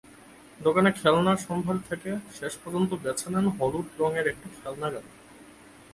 দোকানের খেলনার সম্ভার থেকে শেষপর্যন্ত বেছে নেন হলুদ রঙের একটি খেলনা গাড়ি।